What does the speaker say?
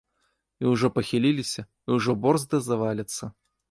І ўжо пахіліліся, і ўжо борзда заваляцца.